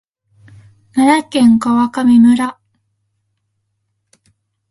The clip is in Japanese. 奈良県川上村